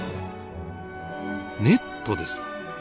ネットです。